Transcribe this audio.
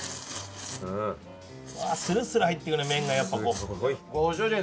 スルスル入っていくね麺がやっぱこう。